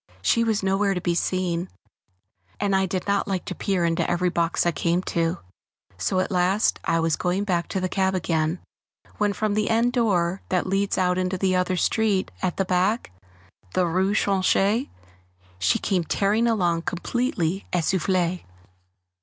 She was nowhere to be seen, and I did not like to peer into every box I came to, so at last I was going back to the cab again, when from the end door that leads out into the other street at the back, the rue Tronchet, she came tearing along completely essoufflée.